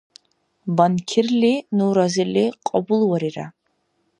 Банкирли ну разили кьабулварира.